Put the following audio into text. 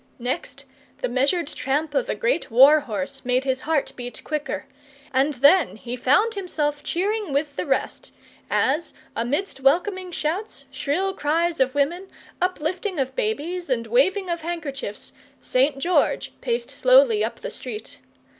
Next, the measured tramp of a great war horse made his heart beat quicker, and then he found himself cheering with the rest, as, amidst welcoming shouts, shrill cries of women, uplifting of babies and waving of handkerchiefs, St. George paced slowly up the street.